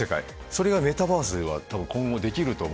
それがメタバースでは多分今後できると思うんだよね。